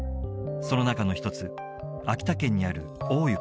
その中の一つ秋田県にある大湯